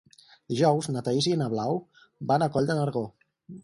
Dijous na Thaís i na Blau van a Coll de Nargó.